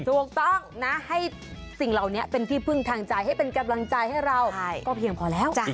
ถูกต้องนะให้สิ่งเหล่านี้เป็นที่พึ่งทางใจให้เป็นกำลังใจให้เราก็เพียงพอแล้ว